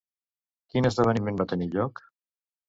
Quin esdeveniment va tenir lloc?